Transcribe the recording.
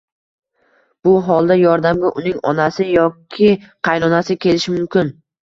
bu holda yordamga uning onasi yoki qaynonasi kelishi mumkin.